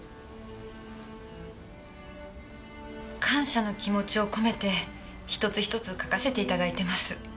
感謝の気持ちを込めて一つ一つ書かせて頂いてます。